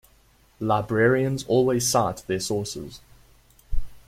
Librarians always cite their sources.